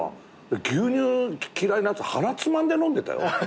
牛乳嫌いなやつ鼻つまんで飲んでたよ。